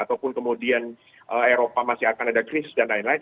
ataupun kemudian eropa masih akan ada krisis dan lain lain